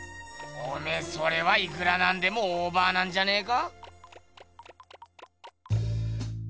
おめえそれはいくらなんでもオーバーなんじゃねえか？